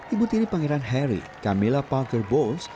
ibu tiri pangeran harry camilla parker bowles